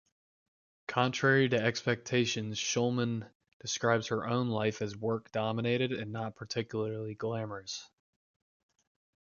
Contrary to expectations, Shulman describes her own life as work-dominated and not particularly glamorous.